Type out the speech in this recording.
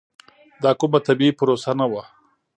دا کومه طبیعي پروسه نه وه.